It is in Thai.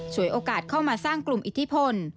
โอกาสเข้ามาสร้างกลุ่มอิทธิพล